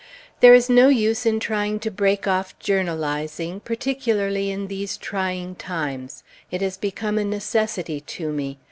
There is no use in trying to break off journalizing, particularly in "these trying times." It has become a necessity to me.